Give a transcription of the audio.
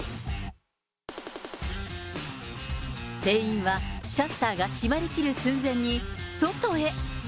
店員は、シャッターが閉まりきる寸前に、外へ。